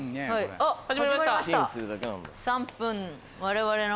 あっ始まりました。